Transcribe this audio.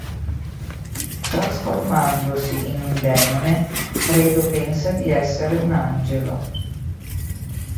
Trasformandosi in un demone, Credo pensa di essere un angelo.